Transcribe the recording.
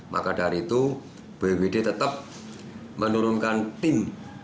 maka dari itu bwd tetap menurunkan tim